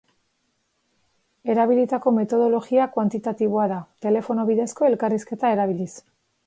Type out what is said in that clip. Erabilitako metodologia kuantitatiboa da, telefono bidezko elkarrizketa erabiliz.